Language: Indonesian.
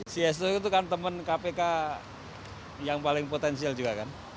cs itu kan teman kpk yang paling potensial juga kan